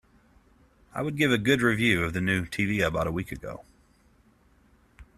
I would give a good review of the new TV I bought a week ago.